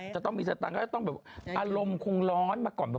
จะต้องมีสตังค์ก็จะต้องแบบอารมณ์คงร้อน